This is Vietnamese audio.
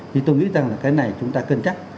thì tôi nghĩ rằng là cái này chúng ta cân chắc